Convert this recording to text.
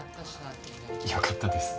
よかったです。